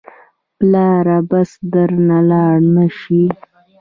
پلاره بس درنه لاړ نه شي.